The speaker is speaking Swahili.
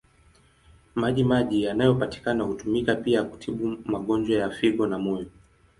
Maji maji yanayopatikana hutumika pia kutibu magonjwa ya figo na moyo.